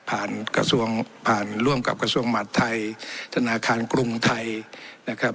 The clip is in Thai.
กระทรวงผ่านร่วมกับกระทรวงหมัดไทยธนาคารกรุงไทยนะครับ